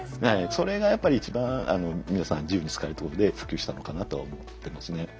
それがやっぱり一番皆さん自由に使えるってことで普及したのかなとは思ってますね。